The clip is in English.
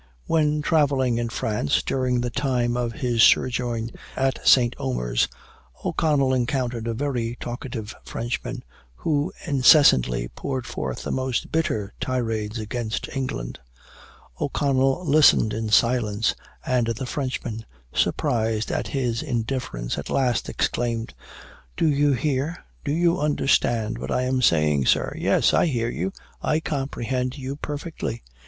When travelling in France, during the time of his sojourn at St. Omer's, O'Connell encountered a very talkative Frenchman, who incessantly poured forth the most bitter tirades against England. O'Connell listened in silence; and the Frenchman, surprised at his indifference, at last exclaimed, "Do you hear, do you understand what I am saying, sir?" "Yes, I hear you, I comprehend you perfectly."